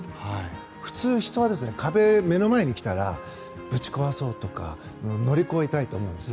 普通、人は壁が目の前に来たらぶち壊そうとか乗り越えたいと思うんです。